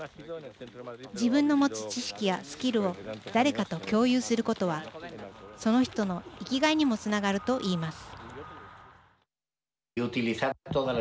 自分の持つ知識やスキルを誰かと共有することはその人の生きがいにもつながるといいます。